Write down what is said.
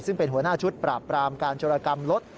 ซึ่งเป็นหัวหน้าชุดปราบปรามการจรกรรมรถ